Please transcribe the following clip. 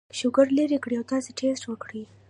شوګر لر کړي او تاسو ټېسټ وکړئ